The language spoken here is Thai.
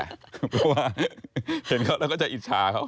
เพราะว่าเห็นเขาแล้วก็จะอิจฉาเขา